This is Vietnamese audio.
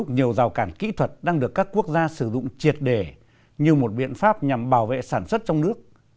nhiều rào cản kỹ thuật đang được các quốc gia sử dụng triệt để như một biện pháp nhằm bảo vệ sản xuất trong nước